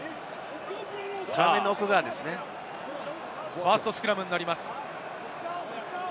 ファーストスクラムになります。